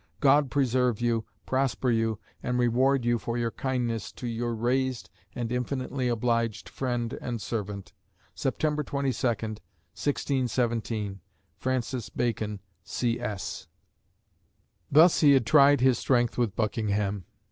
God preserve you, prosper you, and reward you for your kindness to "Your raised and infinitely obliged friend and servant, "Sept. 22, 1617. FR. BACON, C.S." Thus he had tried his strength with Buckingham.